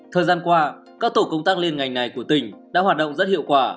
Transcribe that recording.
thời gian qua các tổ công tác liên ngành này của tỉnh đã hoạt động rất hiệu quả